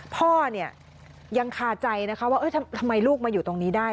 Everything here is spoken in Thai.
พ่อเนี่ยยังคาใจนะคะว่าทำไมลูกมาอยู่ตรงนี้ได้